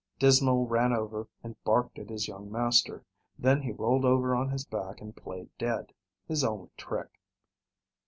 Dismal ran over and barked at his young master, then he rolled over on his back and played dead, his only trick.